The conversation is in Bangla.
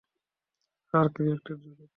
আর্ক রিয়্যাক্টরের জোরে।